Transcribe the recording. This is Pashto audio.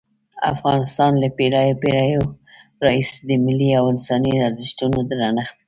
افغانستان له پېړیو پېړیو راهیسې د ملي او انساني ارزښتونو درنښت کړی.